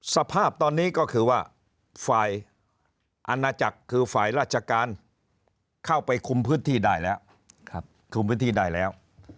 สภาพตอนนี้ก็คือว่าฝ่ายอัณจักรคือฝ่ายราชการเข้าไปคุมพื้นที่ได้แล้ว